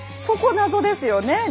そこ謎ですよね。